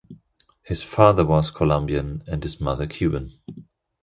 His father was Colombian and his mother Cuban.